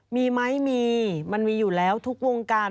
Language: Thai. มีไหมมีมันมีอยู่แล้วทุกวงการ